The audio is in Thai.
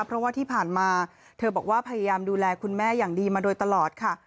เพราะว่าที่ผ่านมาเธอบอกว่าพยายามดูแลคุณแม่อย่างดีมาโดยตลอดค่ะ